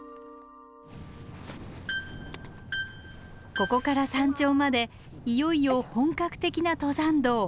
ここから山頂までいよいよ本格的な登山道。